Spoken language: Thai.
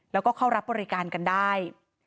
แล้วก็เข้ารับบริการกันได้